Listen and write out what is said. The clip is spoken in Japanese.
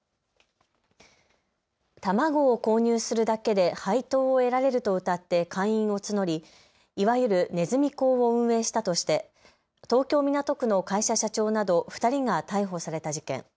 卵を購入するだけで配当を得られるとうたって会員を募りいわゆるネズミ講を運営したとして東京港区の会社社長など２人が逮捕された事件。